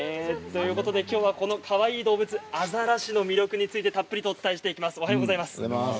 ということできょうはこのかわいい動物アザラシの魅力についてたっぷりとお伝えします。